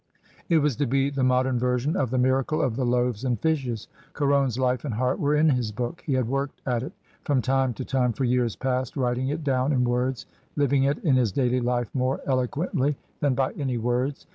It was to be the modern version of the miracle of the loaves and fishes. Caron's life and heart were in his book. He had worked at it from time to time for years past, writing it down in words, living it in his daily life more eloquently than by any words.